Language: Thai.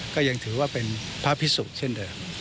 ก็ยังถือว่าเป็นพระพิสุเช่นเดิม